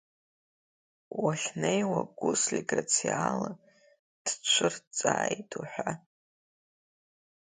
Уахьнеиуа Гәуслик рациала дцәырҵааит ҳәа.